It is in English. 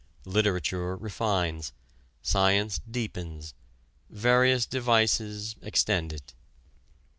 Literature refines, science deepens, various devices extend it.